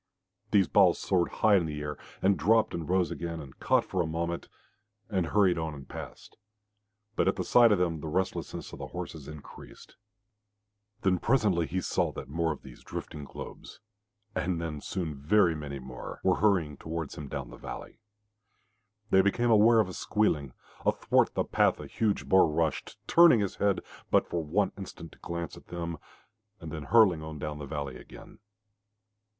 These balls soared high in the air, and dropped and rose again and caught for a moment, and hurried on and passed, but at the sight of them the restlessness of the horses increased. Then presently he saw that more of these drifting globes and then soon very many more were hurrying towards him down the valley. They became aware of a squealing. Athwart the path a huge boar rushed, turning his head but for one instant to glance at them, and then hurling on down the valley again.